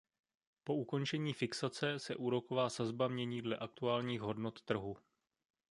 Po ukončení fixace se úroková sazba mění dle aktuálních hodnot trhu.